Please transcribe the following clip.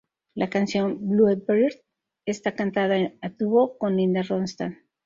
La canción "Bluebird" está cantada a dúo con Linda Ronstadt.